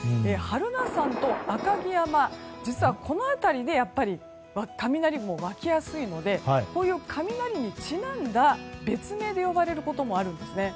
榛名山と赤城山実はこの辺りで雷雲が湧きやすいので雷にちなんだ、別名で呼ばれることもあるんですね。